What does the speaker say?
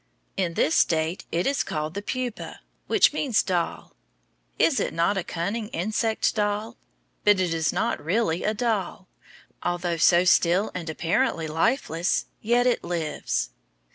In this state it is called the pupa, which means doll. Is it not a cunning insect doll? But it is not really a doll. Although so still and apparently lifeless, yet it lives.